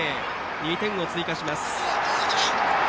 ２点を追加します。